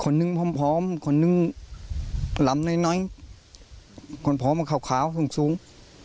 นึงพร้อมพร้อมคนนึงลำน้อยน้อยคนพร้อมมันขาวเพิ่งสูง